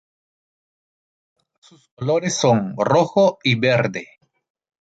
Sus colores son rojo y verde.